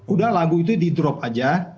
udah lagu itu di drop aja